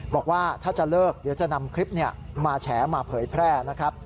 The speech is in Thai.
บอกว่าถ้าจะเลิกเดี๋ยวจะนำคลิปมาแฉมาเผยแพร่นะครับ